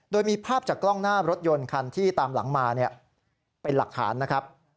โดยมีภาพจากกล้องหน้ารถยนต์คันที่ตามหลังมาเป็นหลักฐานนะครับ